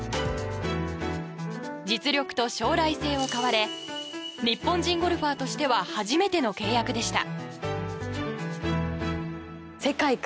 実力と将来性を買われ日本人ゴルファーとしては初めての契約でした。